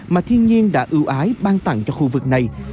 mà thiên nhiên đã ưu ái ban tặng cho khu vực này